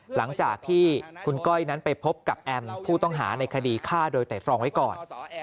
หลังจากที่คุณก้อยนั้นไปพบกับแอมผู้ต้องหาในคดีฆ่าโดยแต่ตรองไว้ก่อน